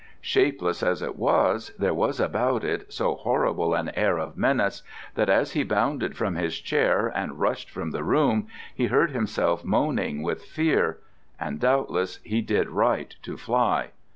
Shapeless as it was, there was about it so horrible an air of menace that as he bounded from his chair and rushed from the room he heard himself moaning with fear: and doubtless he did right to fly.